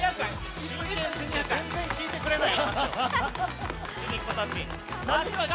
全然聞いてくれない。